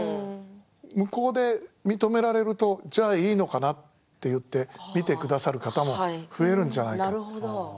向こうで認められると、じゃあいいのかなと言って、見てくださる方も増えるんじゃないかなと。